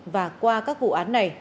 và qua các vụ án này